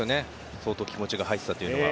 相当気持ちが入っていたのが。